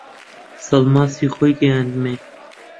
سەڵماسی خۆی گەیاندمێ